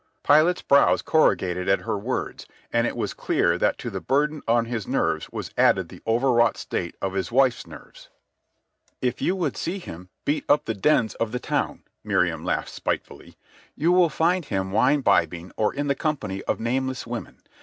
Pilate's brows corrugated at her words, and it was clear that to the burden on his nerves was added the overwrought state of his wife's nerves. "If you would see him, beat up the dens of the town," Miriam laughed spitefully. "You will find him wine bibbing or in the company of nameless women.